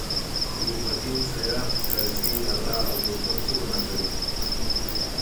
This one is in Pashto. ګلبدین، سیاف، کرزي، عطا او دوستم څه ګناه کړې.